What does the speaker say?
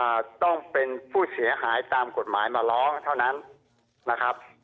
ต้องเป็นผู้เสียหายตามกฎหมายมาร้องเท่านั้นนะครับ